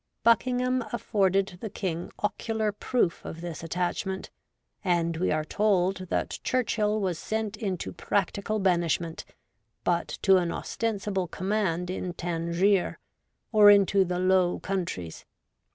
Buckingham afforded the King ocular proof of this attachment, and we are told that Churchill was sent into practical banishment, but to an ostensible command in Tangier, or into the Low Countries.